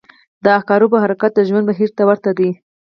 • د عقربو حرکت د ژوند بهیر ته ورته دی.